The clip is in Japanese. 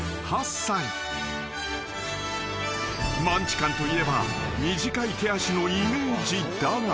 ［マンチカンといえば短い手足のイメージだが］